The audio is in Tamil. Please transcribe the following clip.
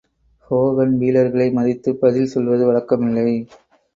ஹோகன் பீலர்களை மதித்துப் பதில் சொல்வது வழக்கமில்லை.